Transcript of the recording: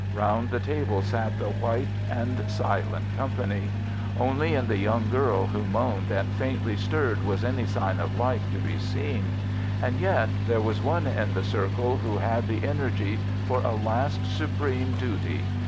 Round the table sat the white and silent company. Only in the young girl who moaned and faintly stirred was any sign of life to be seen. And yet there was one in the circle who had the energy for a last supreme duty.